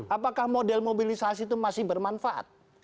apakah model mobilisasi itu masih bermanfaat